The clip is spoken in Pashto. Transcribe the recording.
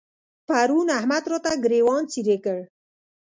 پرون احمد راته ګرېوان څيرې کړ.